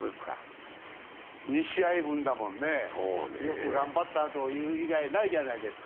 ２試合分だもんね、よく頑張ったと言う以外ないじゃないですか。